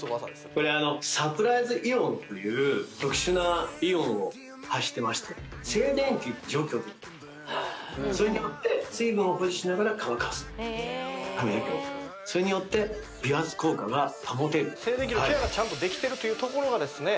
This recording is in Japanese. これあのサプライズイオンという特殊なイオンを発してまして静電気除去とそれによって水分を保持しながら乾かすと髪の毛をそれによって美髪効果が保てる静電気のケアがちゃんとできてるというところがですね